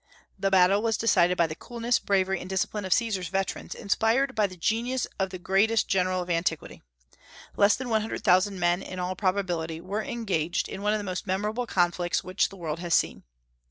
The battle was decided by the coolness, bravery, and discipline of Caesar's veterans, inspired by the genius of the greatest general of antiquity. Less than one hundred thousand men, in all probability, were engaged in one of the most memorable conflicts which the world has seen.